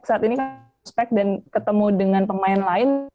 saat ini kan suspek dan ketemu dengan pemain lain